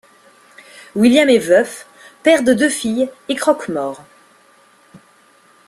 William est veuf, père de deux filles et croque-mort.